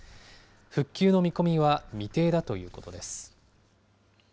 復旧の見込みは未定だということ